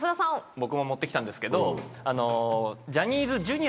僕も持って来たんですけど。